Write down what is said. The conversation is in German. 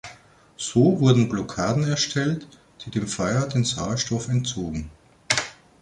So wurden Blockaden erstellt, die dem Feuer den Sauerstoff entzogen.